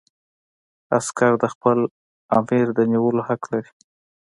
عسکر د خپل آمر د نیولو حق لري.